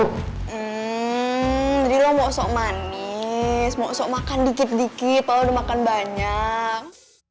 hmm jadi lo mau sok manis mau sok makan dikit dikit lalu udah makan banyak